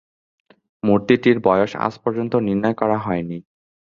মূর্তিটির বয়স আজ পর্যন্ত নির্ণয় করা হয়নি।